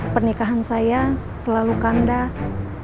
pernikahan saya selalu kandas